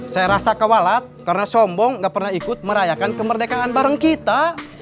saya rasa kewalah karena sombong gak pernah ikut merayakan kemerdekaan bareng kita